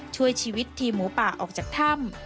ช่วยชีวิตทีมหมูป่าออกจากถ้ำ